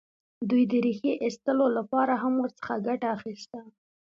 دوی د ریښې ایستلو لپاره هم ورڅخه ګټه اخیسته.